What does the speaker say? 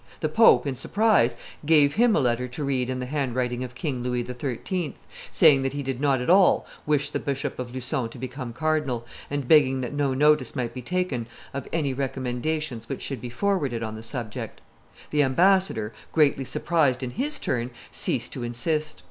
The pope, in surprise, gave him a letter to read in the handwriting of King Louis XIII., saying that he did not at all wish the Bishop of Lucon to become cardinal, and begging that no notice might be taken of any recommendations which should be forwarded on the subject. The ambassador, greatly surprised in his turn, ceased to insist.